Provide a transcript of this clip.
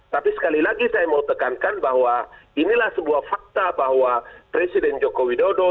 tapi sekali lagi saya mau tekankan bahwa inilah sebuah fakta bahwa presiden joko widodo